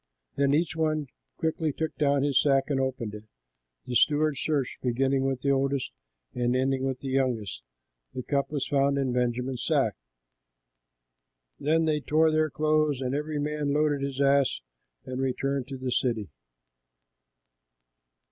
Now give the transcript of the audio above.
Then each one quickly took down his sack and opened it. The steward searched, beginning with the oldest and ending with the youngest; and the cup was found in Benjamin's sack. Then they tore their clothes, and every man loaded his ass and returned to the city.